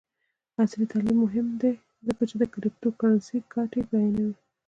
عصري تعلیم مهم دی ځکه چې د کریپټو کرنسي ګټې بیانوي.